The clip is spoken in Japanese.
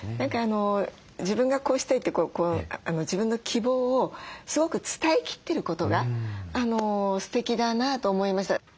自分がこうしたいって自分の希望をすごく伝えきってることがすてきだなと思いました。